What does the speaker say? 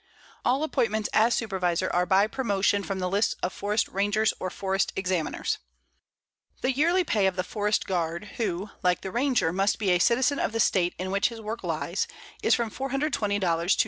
All appointments as Supervisor are by promotion from the lists of Forest Rangers or Forest Examiners. The yearly pay of the Forest Guard, who, like the Ranger, must be a citizen of the State in which his work lies, is from $420 to $900.